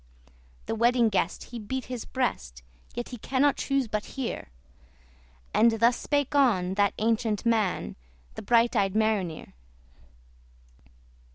The Wedding Guest he beat his breast, Yet he cannot chuse but hear; And thus spake on that ancient man, The bright eyed Mariner.